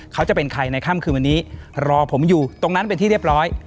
เขาจะเป็นใครในค่ำคืนวันนี้รอผมอยู่ตรงนั้นเป็นที่เรียบร้อย